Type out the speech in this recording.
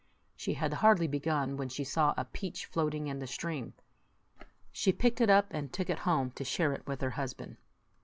She had hardly begun, when she saw a peach floating in the stream. She picked it up, and took it home to share it with her husband.